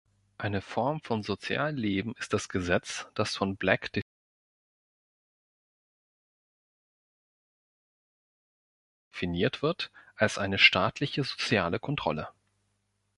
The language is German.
Eine Form von Sozialleben ist das Gesetz, das von Black definiert wird als eine staatliche soziale Kontrolle.